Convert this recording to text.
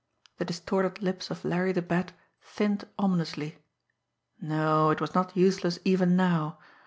The distorted lips of Larry the Bat thinned ominously. No; it was not useless even now.